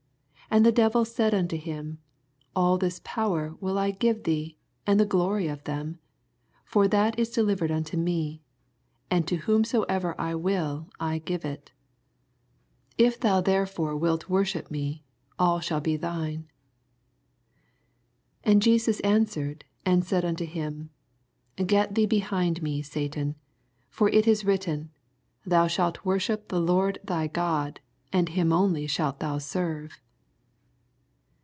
6 And the devil said unto him. All this power will I give thee, and the glory of them : for that is delivered nnto me ; and to whomsoever I will I give it. 7 If thou therefore wilt worship me, all shall be thine. 8 And Jesus answered and said unto him, Get thee behind me, Satan : for it is written. Thou shalt worship the Lord thy God, and him only ahalt thou serve.